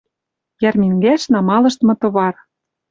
Йӓрмингӓш намалыштмы товар.